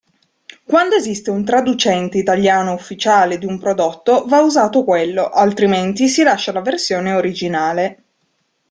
Quando esiste un traducente italiano ufficiale di un prodotto, va usato quello, altrimenti si lascia la versione originale.